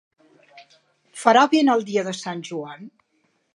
Farà vent el dia de Sant Joan?